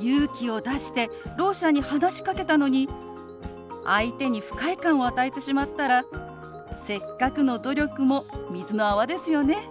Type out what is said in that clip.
勇気を出してろう者に話しかけたのに相手に不快感を与えてしまったらせっかくの努力も水の泡ですよね。